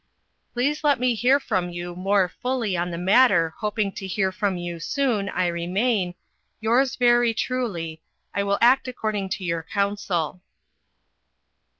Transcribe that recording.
pleas let me hear from you more fully on the matter hoping to hear from you soon I remain "yours verry truly "I will act according to your council."